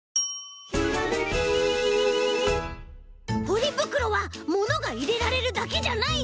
ポリぶくろはものがいれられるだけじゃない！